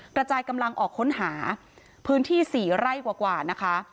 กระจายกำลังออกค้นหาพื้นที่๔ไร่กว่านะคะ